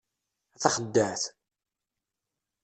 A taxeddaɛt!